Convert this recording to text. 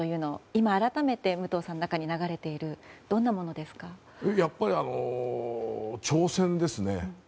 今、改めて武藤さんの中に流れているのはやっぱり挑戦ですね。